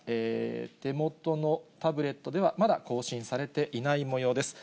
手元のタブレットでは、まだ更新されていないもようです。